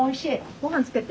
ごはんつけて？